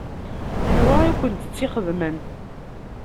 Anwa i kent-tt-ixedmen?